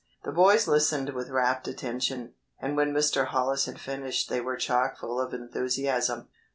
The boys listened with rapt attention, and when Mr. Hollis had finished they were chock full of enthusiasm.